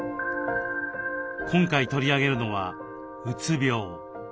今回取り上げるのは「うつ病」。